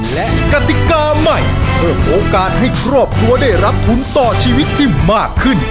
และกติกาใหม่เพิ่มโอกาสให้ครอบครัวได้รับทุนต่อชีวิตที่มากขึ้น